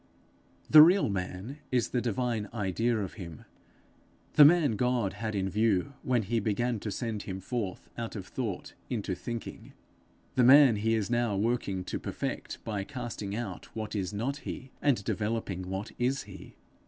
The real man is the divine idea of him; the man God had in view when he began to send him forth out of thought into thinking; the man he is now working to perfect by casting out what is not he, and developing what is he.